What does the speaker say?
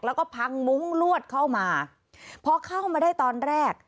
แล้วก็พังมุ้งลวดเข้ามาพอเข้ามาได้ตอนแรก